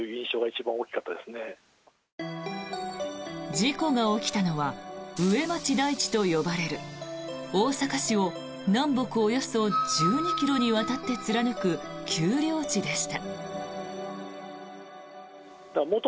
事故が起きたのは上町台地と呼ばれる大阪市を南北およそ１２ｋｍにわたって貫く丘陵地でした。